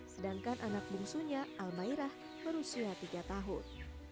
sedangkan anak bungsunya al mairah berusia tiga tahun